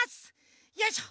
よいしょ！